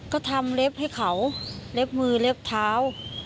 ก็ทำเล็บให้เขาเล็บมือเล็บเท้า